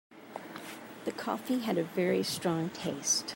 The coffee had a very strong taste.